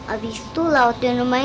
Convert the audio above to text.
abis itu lawatin rumahnya